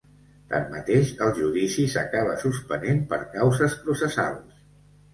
Tanmateix, el judici s’acaba suspenent per causes processals.